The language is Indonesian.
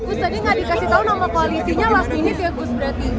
gus tadi nggak dikasih tahu nama koalisinya last minute ya gus